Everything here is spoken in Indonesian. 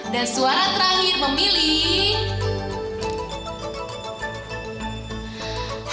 dan suara terakhir memilih